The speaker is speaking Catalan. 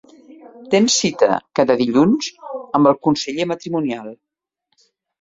Tens cita cada dilluns amb el conseller matrimonial.